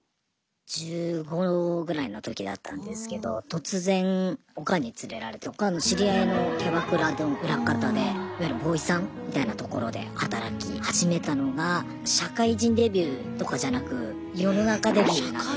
１５ぐらいの時だったんですけど突然オカンに連れられてオカンの知り合いのキャバクラの裏方でいわゆるボーイさんみたいなところで働き始めたのが社会人デビューとかじゃなく世の中デビューなんですね。